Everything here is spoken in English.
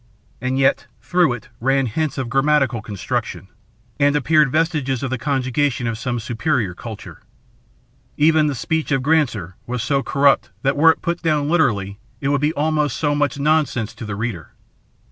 And yet, through it ran hints of grammatical construction, and appeared vestiges of the conjugation of some superior culture. Even the speech of Granser was so corrupt that were it put down literally it would be almost so much nonsense to the reader.